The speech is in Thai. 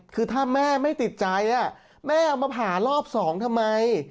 คือถ้าแม่ไม่ติดใจแม่เอามาผ่ารอบสองทำไม